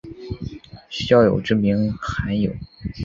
孝友之名罕有。